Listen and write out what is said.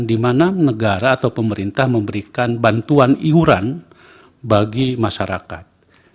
di mana negara atau pemerintah memberikan bantuan iuran bagi masyarakat